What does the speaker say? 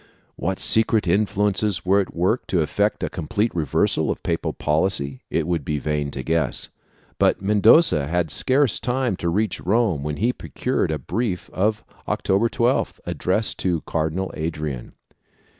What secret influences were at work to effect a complete reversal of papal policy it would be vain to guess, but Mendoza had scarce time to reach Rome when he procured a brief of October 12th, addressed to Cardinal Adrian.